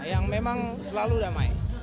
yang memang selalu damai